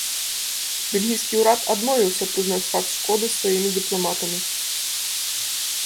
Бельгійскі ўрад адмовіўся прызнаць факт шкоды сваімі дыпламатамі.